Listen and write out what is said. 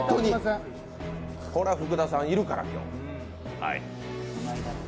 福田さん、いるから、今日。